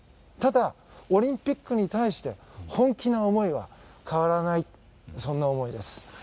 ただ、オリンピックに対して本気な思いは変わらない、そんな思いです。